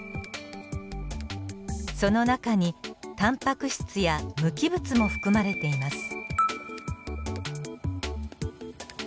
その中にタンパク質や無機物も含まれています。